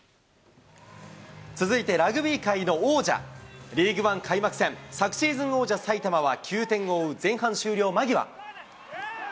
続いてラグビー界の王者、リーグワン開幕戦、昨シーズン王者、埼玉は９点を追う前半終了間際。